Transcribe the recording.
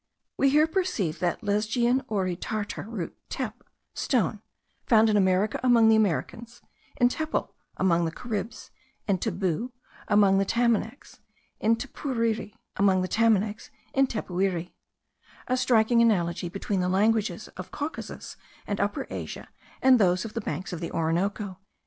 We here perceive that Lesgian Oigour Tartar root tep, stone (found in America among the Americans, in teptl; among the Caribs, in tebou; among the Tamanacs, in tepuiri); a striking analogy between the languages of Caucasus and Upper Asia and those of the banks of the Orinoco.)